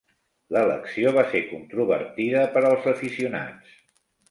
L'elecció va ser controvertida per als aficionats.